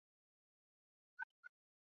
带出旅馆边吃午餐